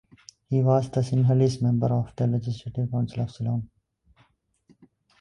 He was the Sinhalese member of the Legislative Council of Ceylon.